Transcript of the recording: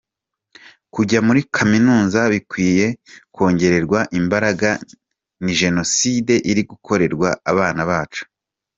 Kujya muri kaminuza bikwiye kongererwa imbaraga, ni jenoside iri gukorerwa abana bacu.